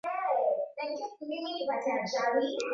Embe limeoza